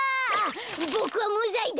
ボクはむざいだ。